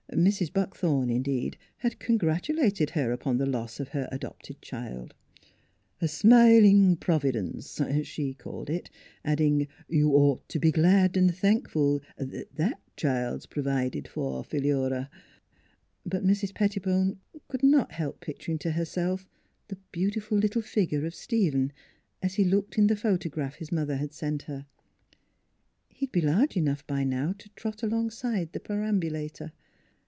Mrs. Buckthorn, in deed, had congratulated her upon the loss of her adopted child: " A smilin' providence," she called it, adding: " You'd ought t' be glad an' thankful that child's pro vided for, Philura." ... But Mrs. Pettibone could not help picturing to her self the beautiful little figure of Stephen as he looked in the photograph his mother had sent her. He would be large enough by now to trot along beside the perambulator.